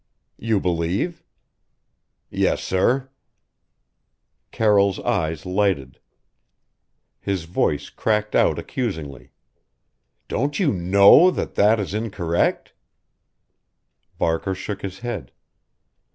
"You believe?" "Yes, sir." Carroll's eyes lighted. His voice cracked out accusingly: "Don't you know that that is incorrect?" Barker shook his head.